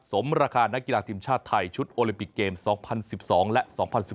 สมราคานักกีฬาทีมชาติไทยชุดโอลิมปิกเกม๒๐๑๒และ๒๐๑๙